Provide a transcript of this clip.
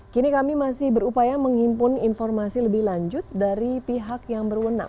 kini kami masih berupaya menghimpun informasi lebih lanjut dari pihak yang berwenang